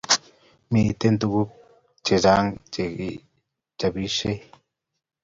Mitei tuguk chechang chekechobisie